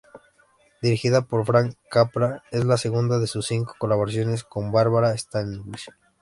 Dirigida por Frank Capra, es la segunda de sus cinco colaboraciones con Barbara Stanwyck.